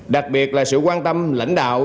đặc biệt là sự quan tâm lãnh đạo